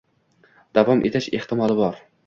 davom etish ehtimoli bor